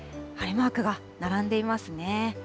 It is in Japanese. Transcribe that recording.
晴れマークが並んでいますね。